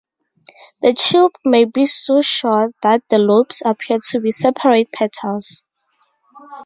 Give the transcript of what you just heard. The tube may be so short that the lobes appear to be separate petals.